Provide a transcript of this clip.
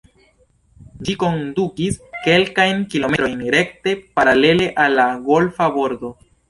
Ĝi kondukis kelkajn kilometrojn rekte paralele al la golfa bordo.